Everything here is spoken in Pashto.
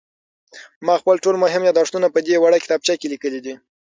ما خپل ټول مهم یادښتونه په دې وړه کتابچه کې لیکلي دي.